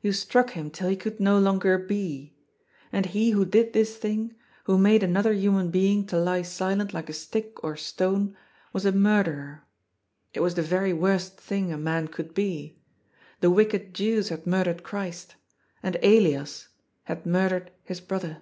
You struck him till he could no longer be. And he who did this thing, who made an 428 <^I>*S FOOL. other human being to lie silent like a stick or stone, was a murderer. It was the yery worst thing a man could be. The wicked Jews had murdered Christ And Elias had murdered his brother.